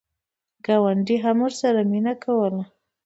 ګاونډي هم ورسره مینه کوله.